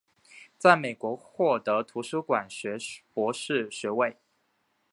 在美国获得图书馆学博士学位。